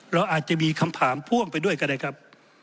เราอาจจะมีคำถามพ่วงไปด้วยก็ได้ครับ